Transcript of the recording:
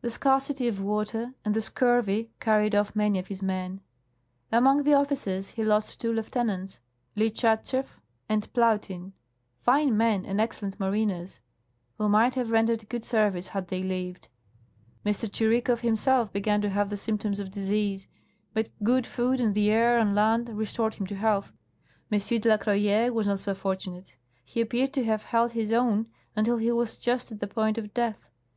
The scarcity of water and the scurvy carried off many of his men. Among the officers he lost two lieutenants — Lichat schew and Plautin, fine men and excellent mariners — who might have rendered good service had they lived. M. Tschirikow himself began to have the symptoms of disease, but good food and the air on land restored him to health. M. de la Croyere was not so fortunate; he appeared to have held his own until he was just at the point of death.